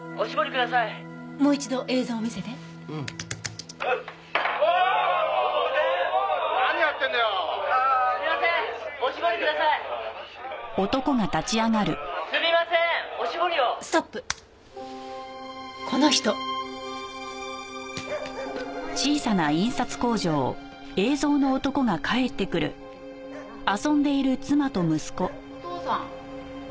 お父さん。